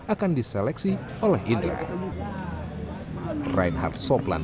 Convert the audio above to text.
akan diseleksi untuk mencari pemain yang akan direkrut